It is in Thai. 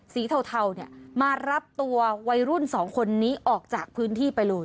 เทาเนี่ยมารับตัววัยรุ่นสองคนนี้ออกจากพื้นที่ไปเลย